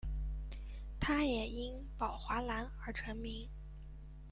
他也因宝华蓝而成名。